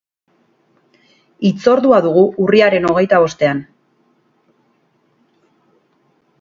Hitzordua dugu urriaren hogeita bostean.